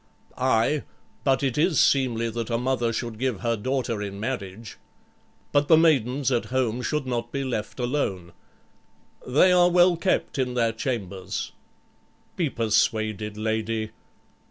"Aye, but it is seemly that a mother should give her daughter in marriage." "But the maidens at home should not be left alone." "They are well kept in their chambers." "Be persuaded, lady."